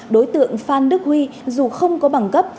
đối tượng phan đức huy dù không có bằng cấp